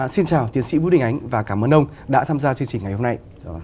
xin chào tiến sĩ vũ đình ánh và cảm ơn ông đã tham gia chương trình ngày hôm nay